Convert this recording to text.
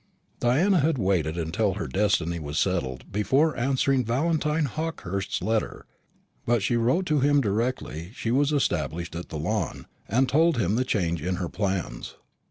Diana had waited until her destiny was settled before answering Valentine Hawkehurst's letter; but she wrote to him directly she was established at the Lawn, and told him the change in her plans.